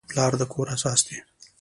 پلار د کور اساس دی.